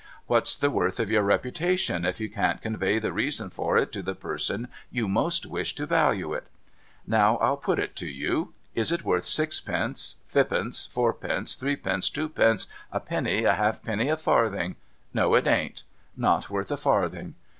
What's the worth of your reputation, if you can't convey the reason for it to the person you most wish to value it ? Now I'll put it to you. Is it worth sixpence, fippence, fourpence, threepence, twopence, a penny, a halfpenny, a farthing ? No, it ain't. Not worth a farthing.